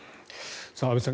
安部さん